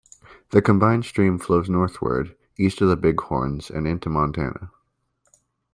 The combined stream flows northward, east of the Bighorns, and into Montana.